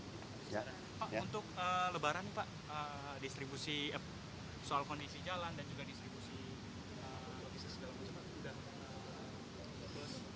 untuk lebaran pak distribusi soal kondisi jalan dan juga distribusi logisis dalam jalan